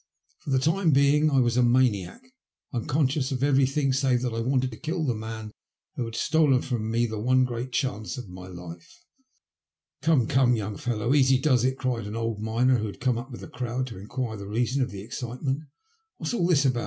For the time being I was a maniac, un conscious of everything save that I wanted to kill the man who had stolen from me the one great chance of my life. " Come, come, young fellow, easy does it," cried an old miner, who had come up with the crowd to enquire the reason of the excitement. *' What's all this about